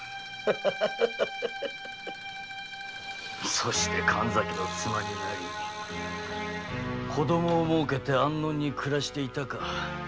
そして神崎の妻になり子供をもうけて安穏に暮らしていたか。